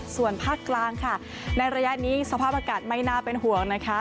ส่วนภาคกลางค่ะในระยะนี้สภาพอากาศไม่น่าเป็นห่วงนะคะ